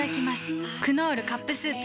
「クノールカップスープ」